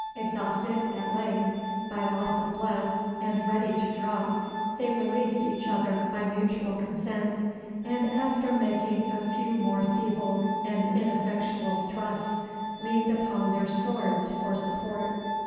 Exhausted, at length, by loss of blood, and ready to drop, they released each other by mutual consent; and, after making a few more feeble and ineffectual thrusts, leaned upon their swords for support.